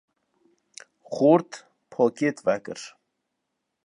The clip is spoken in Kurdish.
‘’ Xort, pakêt vekir.